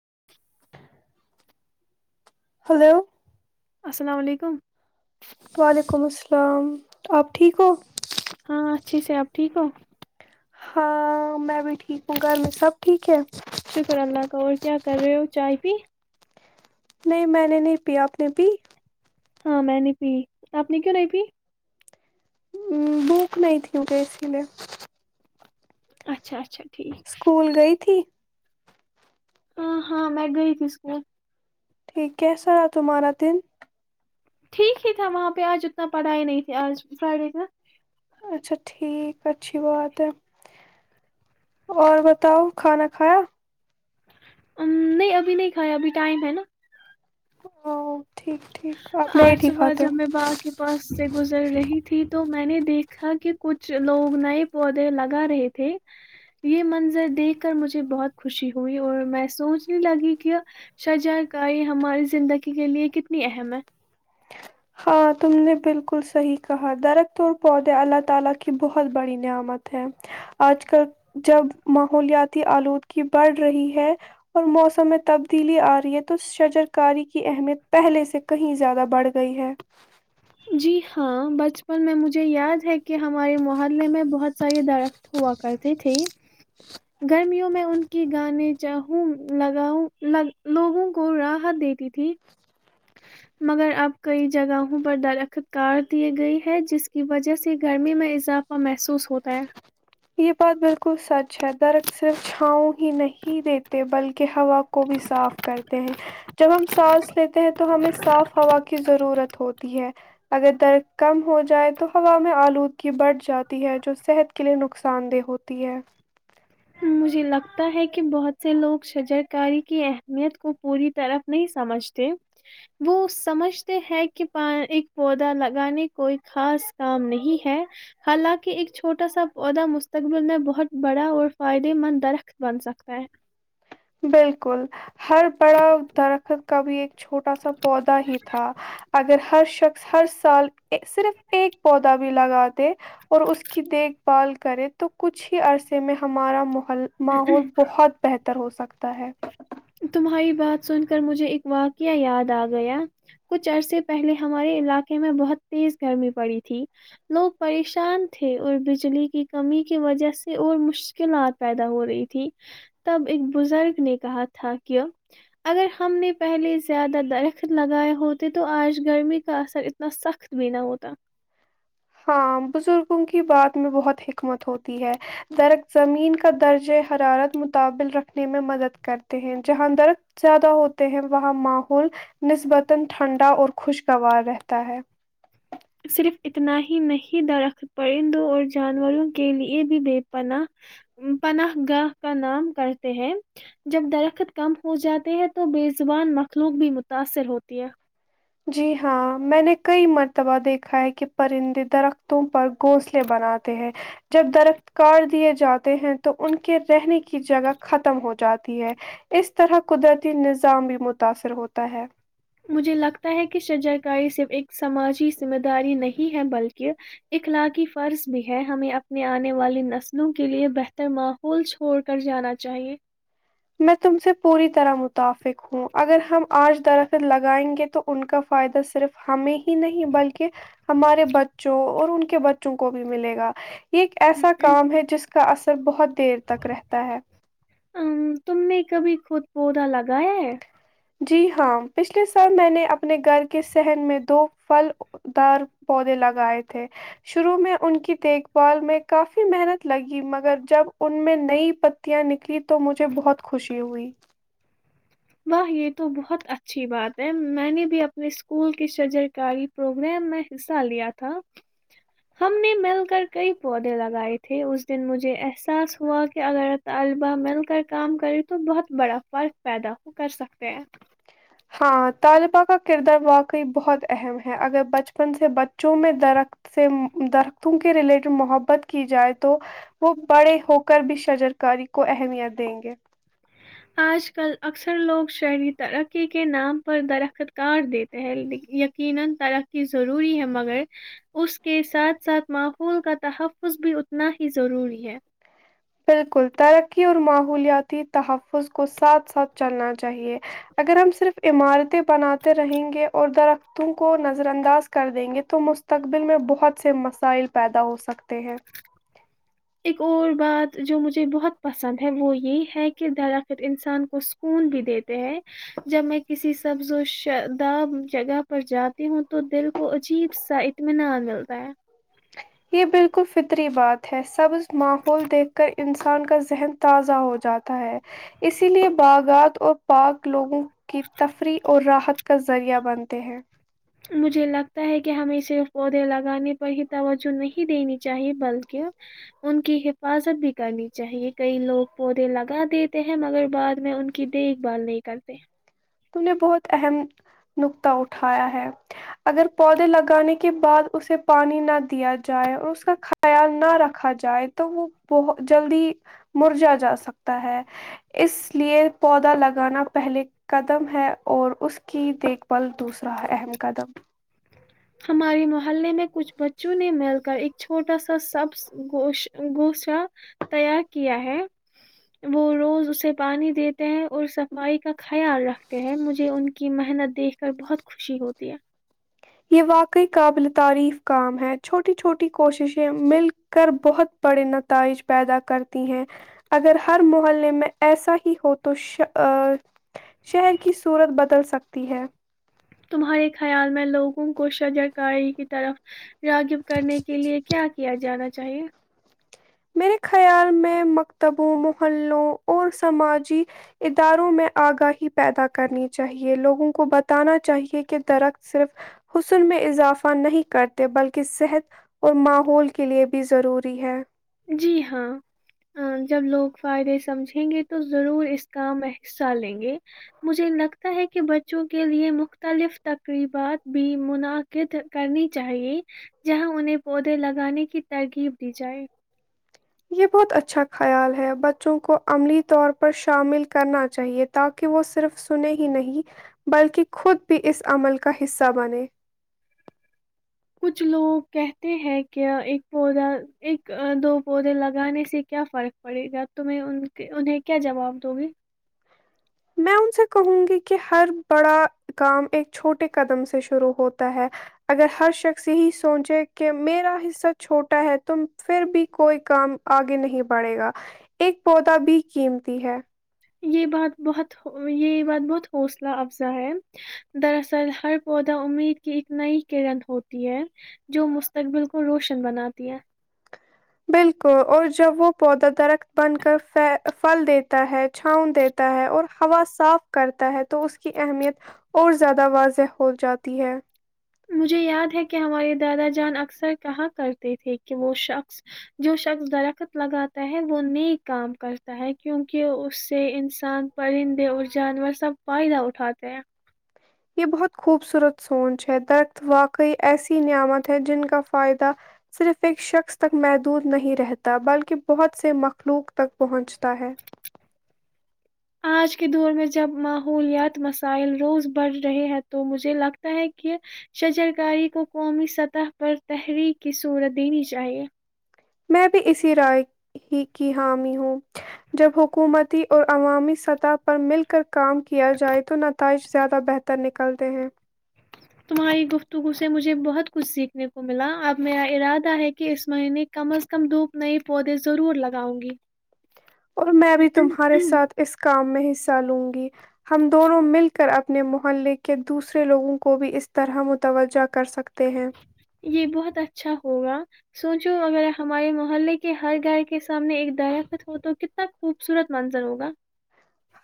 [inaudible] hello السلام علیکم وعلیکم السلام شلام آپ ٹھیک ہو [unintelligible] ہاں اچھے سے آپ ٹھیک ہو ہاں میں بھی ٹھیک ہوں گھر میں سب ٹھیک ہے شکر اللہ کا اور کیا کر رہے ہو چائے پی نہیں میں نے نہیں پیا آپ نے پی ہاں میں نہیں پی آپ نے کیوں نہیں پی ا بھوک نہیں تھی مے اسی لیے اچھا اچھا ٹھیک اسکول گئی تھی ہاں ہاں میں گئی تھی اسکول ٹھیک کیسا ہے تمہارا دن ٹھیک ہی تھا وہاں پہ آج اتنا پڑھائی نہیں تھی آج فرائیڈے کا اچھا ٹھیک اچھی بات ہے اور بتاؤ کھانا کھایا نہیں ابھی نہیں کھایا ابھی ٹائم ہے نا [inaudible] ٹھیک آپ آج لیٹ ہی صبح کھاتے ہو جب میں با کے پاس سے گزر رہی تھی تو میں نے دیکھا کہ کچھ لوگ نئے پودے لگا رہے تھے یہ منظر دیکھ کر مجھے بہت خوشی ہوئی اور میں سوچنے لگی کہ شجا گاری ہماری زندگی کے لیے کت کتنی اہم ہے ہاں تم نے بالکل صحیح کہا درخت اور پودے اللہ تعالی کی بہت بڑی نعمت ہے اج کل جب ماحولیاتی الودگی بڑھ رہی ہے اور موسم تبدیلی ارہی ہے تو شجرکاری کی اہمیت پہلے سے کہیں زیادہ بڑھ گئی ہے جی ہاں بچپن میں مجھے یاد ہے کہ ہمارے محلے میں بہت سارے درخت ہوا کرتے تھے گرمیوں میں ان کی گانے چاہوں لگاؤں ل لوگوں کو راحت دیتی تھی مگر اب کئی جگہوں پر درخت کار دیے گئے ہیں جس کی وجہ سے گرمی میں اضافہ محسوس ہوتا ہے یہ بات بالکل سچ ہے درخت صرف چھاؤں ہی نہیں دیتے بلکہ ہوا کو بھی صاف کرتے ہیں جب ہم سانس لیتے ہیں تو ہمیں صاف ہوا کی ضرورت ہوتی ہے اگر درد کم ہو جائے تو ہوا میں آلودگی بڑھ جاتی ہے جو صحت کے لیے نقص نقصان دہ ہوتی ہے مجھے لگتا ہے کہ بہت سے لوگ شجر کاری کی اہمیت کو پوری طرف نہیں سمجھتے وہ سمجھتے ہیں کہ ایک پودا لگانے کوئی خاص کام نہیں ہے حالانکہ ایک چھوٹا سا پودا مستقبل میں بہت بڑا اور فائدے مند درخت بن سکتا ہے بالکل ہر بڑا درخت کا بھی ایک چھوٹا سا پودا ہی تھا اگر ہر شخص ہر سال صرف ایک پودا بھی لگاتے اور اس کی دیکھ پال کرے تو کچھ ہی عرصے میں ہمارا مح ہے ماحول بہت بہتر ہو سکتا لتا ہے تمہاری بات سن کر مجھے ایک واقعہ یاد آ گیا کچھ عرصے پہلے ہمارے علاقے میں بہت تیز گرمی پڑی تھی لوگ پریشان تھے اور بجلی کی کمی کی وجہ سے اور مشکلات پیدا ہو رہی تھی تب ایک بزرگ نے کہا تھا کہ اگر ہم نے پہلے زیادہ درخت لگائے ہوتے تو آج گرمی کا اثر اتنا سخت بھی نہ ہوتا [inaudible] صرف اتنا ہی نہیں درخت پرندوں اور جانوروں کے لیے بھی بے پناہ پناہ گاہ کا نام کرتے ہیں جب درخت کم ہو جاتے ہیں تو بےزبان مخلوق بھی متاثر ہوتی ہے جی ہاں میں نے کئی مرتبہ دیکھا ہے کہ پرندے درختوں پر گھونسلے بناتے ہیں جب درخت کاٹ دیے جاتے ہیں تو ان کے رہنے کی جگہ ختم ہو جاتی ہے اس طرح قدرتی نظام بھی متاثر ہوتا ہے مجھے لگتا ہے کہ شجا کاری صرف ایک سماجی ذمہ داری نہیں ہے بلکہ اخلاقی فرض بھی ہے ہمیں اپنے آنے والی نسلوں کے لیے بہتر ماحول چھوڑ کر جانا چاہیے میں تم سے پوری طرح متفق ہوں اگر ہم آج درخت لگائیں گے تو ان کا فائدہ صرف ہمیں ہی نہیں بلکہ ہمارے بچوں اور ان کے بچوں کو بھی ملے گا یہ ایک ایسا کام ہے جس کا اثر بہت دیر تک رہتا ہے ام، تم نے کبھی خود پودا لگایا جی ہاں پچھلے سال میں نے اپنے گھر کے سحن میں دو پھل دار پودے لگائے تھے شروع میں ان کی دیکھ بھال میں کافی محنت لگی مگر جب ان میں نئی پتیاں نکلی تو مجھے بہت خوشی ہوئی واہ یہ تو بہت اچھی بات ہے میں نے بھی اپنے اسکول کے شجرکاری پروگرام میں حصہ لیا تھا ہم نے مل کر کئی پودے لگائے تھے اس دن مجھے احساس ہوا کہ اگر طالبہ مل کر کام کرے تو بہت بڑا فرق پیدا کر سکتے ہیں ہاں طالبہ کا کردار واقعی بہت اہم ہے اگر بچپن سے بچوں میں درخت سے درختوں کے ریلیٹڈ محبت کی جائے تو وہ بڑے ہوک بھی شجرکاری کو اہمیت دیں گے [inaudible] بالکل ترقی اور ماحولیاتی تحفظ کو ساتھ ساتھ چلنا چاہیے اگر ہم صرف عمارتیں بناتے رہیں گے اور درختوں کو نظر انداز کر دیں گے تو مستقبل میں بہت سے مسائل پیدا ہو سکتے ہیں ایک اور بات جو مجھے بہت پسند ہے وہ یہی ہے کہ درخت انسان کو سکون بھی دیتے ہے جب میں کسی سبز و شداب جگہ پر جاتی ہوں تو دل وہ عجیب سحت میںین ملتا ہے ری بات ہے سبز ماحول دیکھ کر انسان کا ذہن تازہ ہو جاتا ہے اسی لیے باغات اور پاک لوگوں کی تفریح اور راحت کا ذریعہ بنتے ہیں مجھے لگتا ہے کہ ہمیں صرف پودے لگانے پر ہی توجہ نہیں دینی چاہیے بلکہ ان کی حفاظت بھی کرنی چاہیے کئی لوگ پودے لگا دیتے ہیں مگر بعد میں ان کی دیکھ بھال نہیں کرتے تو نے بہت اہم نکطہ اٹھایا ہے اگر پودے لگانے کے بعد اسے پانی نہ دیا جائے اور اس کا خیال نہ رکھا جائے تو وہ بہت جلدی مرجا جا سکتا ہے اس لیے پودا لگانا پہلے قدم ہے اور اس کی دیکھ بھال دوسرا اہم قدم ہمارے محلے میں کچھ بچوں نے مل کر ایک چھوٹا سا سب گوش گوشا تیار کیا ہے وہ روز اسے پانی دیتے ہیں اور صفائی کا خیال رکھتے ہیں مجھے ان کی محنت دیکھ کر بہت خوشی ہوتی ہے یہ واقعی قابل تعریف کام ہے چھوٹی چھوٹی کوششیں مل کر بہت بڑے نتائج پیدا کرتی ہیں اگر ہر محلے میں ایسا ہی ہو تو شہر کی صورت بدل سکتی ہے تمہارے خیال میں لوگوں کو شجر کاری کی طرف راگب کرنے کے لیے کیا کیا جانا چاہیے میرے خیال میں مکتبوں محلوں اور سماجی اداروں میں آگاہی پیدا کرنی چاہیے لوگوں کو بتانا چاہیے کہ درخت صرف حسن میں اضافہ نہیں کرتے بلکہ صحت اور ماحول کے لیے بھی ضروری ہے جی ہاں جب لوگ فائدے سمجھیں گے تو ضرور اس کا میں حصہ لیں گے مجھے نق ہے کہ بچوں کے لیے مختلف تقریبات بھی منعقد کرنی چاہیے جہاں انہیں پودے لگانے کی ترغیب دی جائے یہ بہت اچھا خیال ہے بچوں کو عملی طور پر شامل کرنا چاہیے تاکہ وہ صرف سنے ہی نہیں، بلکہ خود بھی اس عمل کا حصہ بنے کچھ لوگ کہتے ہیں کیا ایک پودا ایک دو پودے لگانے سے کیا فرق پڑے گا تم ان کے انہیں کیا جواب د گی میں ان سے کہوں گی کہ ہر بڑا کام ایک چھوٹے قدم سے شروع ہوتا ہے اگر ہر شخص یہی سوچے کہ میرا حصہ چھوٹا ہے تم پھر بھی کوئی کام آگے نہیں بڑھے گا ایک پودا بھی قیمتی ہے یہ بات بہت یہ بات بہت حوصلہ افزا ہے دراصل ہر پودا امید کی ایک نئی کرن ہوتی ہے جو مستقبل کو روشن بناتی ہے بالکل اور جب وہ پودا درخت بن کر پھل دیتا ہے چھاؤں دیتا ہے اور ہوا صاف کرتا ہے تو اس کی اہمیت اور زیادہ واضح ہو جاتی ہے مجھے یاد ہے کہ ہمارے دادا جان اکثر کہا کرتے تھے کہ وہ شخص جو شخص درخت لگاتا ہے وہ ن کام کرتا ہے کیونکہ اس سے انسان پرندے اور جانور سب فائدہ اٹھاتے ہیں یہ بہت خوبصورت سوچ ہے درخت واقعی ایسی نعمت ہے جن کا فائدہ صرف ایک شخص تک محدود نہیں رہتا بلکہ بہت سے مخلوق تک پہنچتا ہے آج کے دور میں جب ماحولیاتی مسائل روز بڑھ رہے ہیں تو مجھے لگتا ہے کہ شجرکاری کو قومی سطح پر تحریک کی صورت دینی چاہیئے میں بھی اسی رائے ہی کی حامی ہوں جب حکومتی اور عوامی سطح پر مل کر کام کیا جائے تو نتائج زیادہ بہتر نکل نکلتے ہیں تمہاری گفتگو سے مجھے بہت کچھ سیکھنے کو ملا اب میرا ارادہ ہے کہ اس مہینے کم از کم دھوپ نئے پودے ضرور لگاؤ گی اور میں بھی تمہارے ساتھ اس کام میں ہی لوں گی ہم دونوں مل کر اپنے محلے کے دوسرے لوگوں کو بھی اس طرح متوجہ کر سکتے ہیں یہ بہت اچھا ہوگا سوچو اگر ہمارے محلے کے ہر گھر کے سامنے ایک درخت ہو تو کتنا خوبصورت منظر ہوگا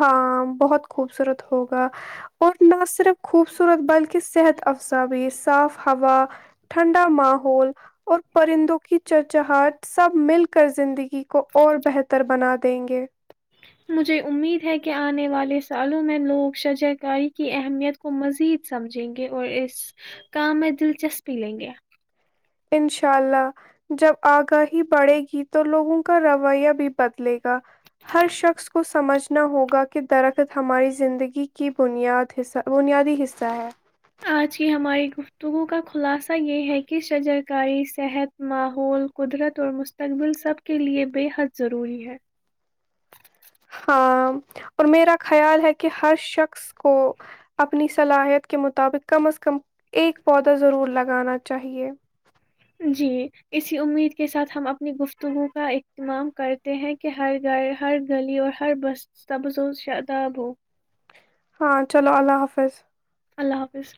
ہاں بہت خوبصورت ہوگا اور نہ صرف خوبصورت بلکہ صحت افزا بھی صاف ہوا ٹھنڈا ماحول اور پرندوں کی چچہاٹ سب مل کر زندگی کو اور بہتر بنا دیں گے [inaudible] انشاء اللہ جب آگاہی بڑھے گی تو لوگوں کا رویہ بھی بدلے گا ہر شخص کو سمجھنا ہوگا کہ درخت ہماری زندگی کی بنیاد حصہ بنیادی حصہ ہے آج ہی ہماری گفتگو کا خلاصہ یہ ہے کہ شجرکاری صحت ماحول قدرت اور مستقبل سب کے لئے بے حد ضروری ہے ہ اور میرا خیال ہے کہ ہر شخص کو اپنی صلاحیت کے مطابق کم از کم ایک پودا ضرور لگانا چاہیے جی اسی امید کے ساتھ ہم اپنی گفتگو کا اہتمام کرتے ہیں کہ ہر گھر ہر گلی اور ہر بس تبز و شداب ہو ہاں چلو اللہ حافظ اللہ حافظ